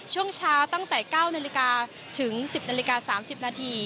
ช่วงเช้าตั้งแต่๙นาฬิกาถึง๑๐นาฬิกา๓๐นาที